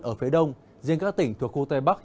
ở phía đông riêng các tỉnh thuộc khu tây bắc